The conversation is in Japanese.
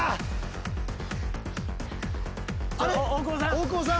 大久保さん？